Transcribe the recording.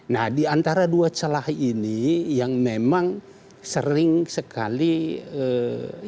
nah diantara dua celah ini yang memang sering sekitar